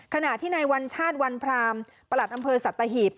ขณะที่ในวัญชาติวันพรามประหลัดอำเภอสัตหีบ